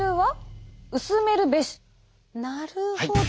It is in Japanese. なるほど。